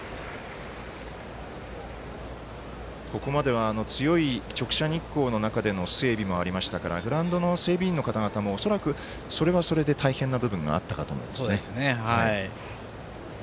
ここまでは強い直射日光での整備もありましたからグラウンドの整備員の方々も恐らくそれはそれで大変な部分があったかと思います。